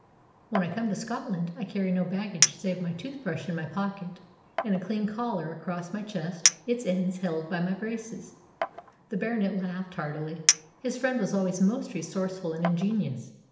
When I come to Scotland I carry no baggage save my tooth brush in my pocket, and a clean collar across my chest, its ends held by my braces." The Baronet laughed heartily. His friend was always most resourceful and ingenious.